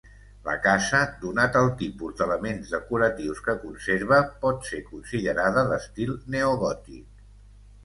La casa, donat el tipus d'elements decoratius que conserva, pot ser considerada d'estil neogòtic.